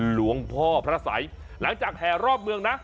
หลวงพ่อพระสัยหลังจากแห่รอบเมืองนะ